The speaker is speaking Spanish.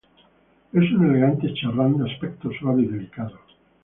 Es un elegante charrán de aspecto suave y delicado.